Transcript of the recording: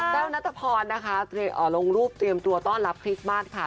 นัทพรนะคะลงรูปเตรียมตัวต้อนรับคริสต์มัสค่ะ